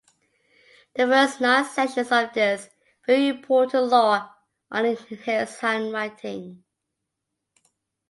The first nine sections of this very important law are in his handwriting.